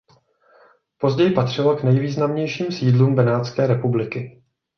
Později patřilo k nejvýznamnějším sídlům Benátské republiky.